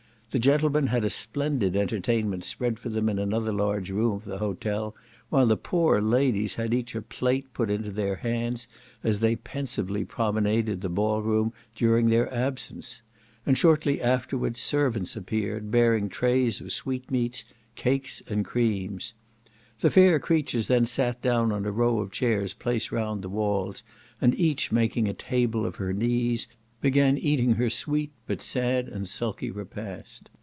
The gentlemen had a splendid entertainment spread for them in another large room of the hotel, while the poor ladies had each a plate put into their hands, as they pensively promenaded the ballroom during their absence; and shortly afterwards servants appeared, bearing trays of sweetmeats, cakes, and creams. The fair creatures then sat down on a row of chairs placed round the walls, and each making a table of her knees, began eating her sweet, but sad and sulky repast.